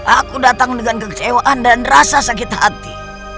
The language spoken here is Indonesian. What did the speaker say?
aku datang dengan kekecewaan dan rasa sakit hati